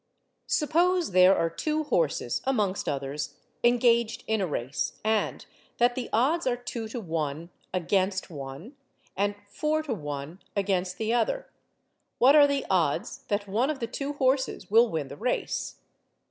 Suppose there are two horses (amongst others) engaged in a race, and that the odds are 2 to 1 against one, and 4 to 1 against the other what are the odds that one of the two horses will win the race?